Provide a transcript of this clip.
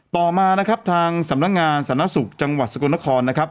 ต่อมานะครับทางสำนักงานสาธารณสุขจังหวัดสกลนครนะครับ